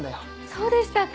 そうでしたか。